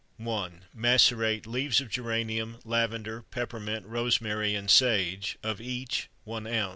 1. Macerate: Leaves of geranium, lavender, peppermint, rosemary, and sage, of each 1 oz.